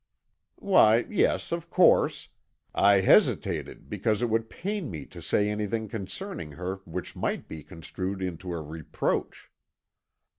"Why, yes, of course; I hesitated because it would pain me to say anything concerning her which might be construed into a reproach."